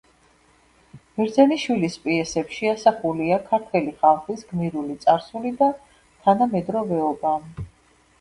ბერძენიშვილის პიესებში ასახულია ქართველი ხალხის გმირული წარსული და თანამედროვეობა.